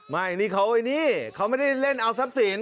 ไม่นี่เขาไม่ได้เล่นเอาซับสิน